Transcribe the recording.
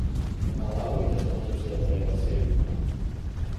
Malawi does not observe daylight saving time.